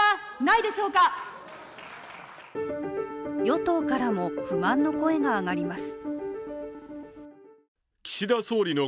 与党からも不満の声が上がります。